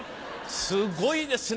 すごいですね